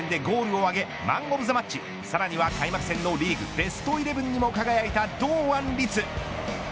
前節開幕戦でゴールを挙げマン・オブ・ザ・マッチさらには開幕戦のリーグベストイレブンにも輝いた堂安律。